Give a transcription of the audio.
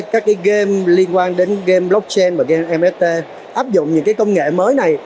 các cái game liên quan đến game blockchain và game nft áp dụng những cái công nghệ mới này